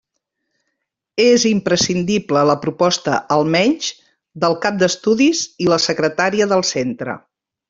És imprescindible la proposta, almenys, del cap d'estudis i la secretaria del centre.